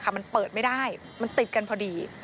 มันเปิดไม่ได้มันติดกันพอดี